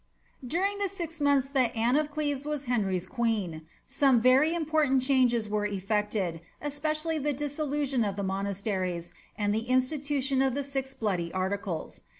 During the six months that Anne of Cleves was Henry's queen, some very important changes were effected, especially the dissolution of the monasteries, and the institution of the six bloody articles.